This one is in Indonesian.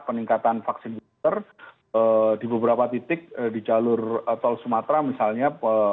peningkatan vaksin booster di beberapa titik di jalur tol sumatera misalnya